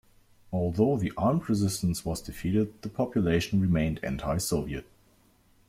Although the armed resistance was defeated, the population remained anti-Soviet.